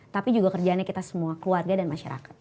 tapi juga kerjaannya kita semua keluarga dan masyarakat